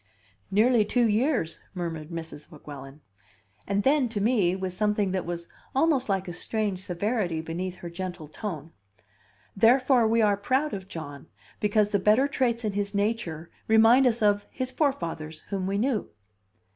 "Nearly two years," murmured Mrs. Weguelin. And then, to me, with something that was almost like a strange severity beneath her gentle tone: "Therefore we are proud of John, because the better traits in his nature remind us of his forefathers, whom we knew."